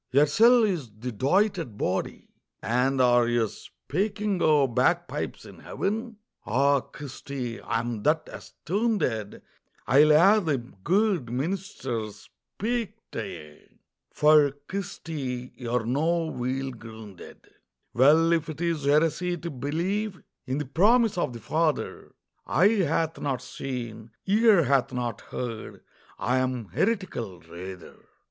Yersel' is the doited body. "And are ye speaking o' bagpipes in Heaven? Ah, Christy, I'm that astoonded I'll hae the guid meenister speak tae ye, For, Christy, ye're no weel groonded." Well, if it is heresy to believe In the promise of the Father, "Eye hath not seen, ear hath not heard," I am heretical, rather.